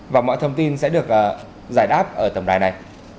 và mọi thông tin sẽ được giải đáp ở tổng đài này